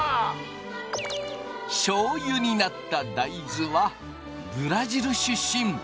しょうゆになった大豆はブラジル出身！